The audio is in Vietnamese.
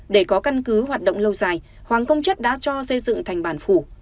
để có căn cứ hoạt động lâu dài hoàng công chất đã cho xây dựng thành bản phủ